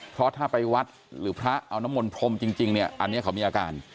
เพราะถ้าไปวัดหรือพระเอาน้ำมนพรมจริงเนี่ยอันนี้เขามีอาการ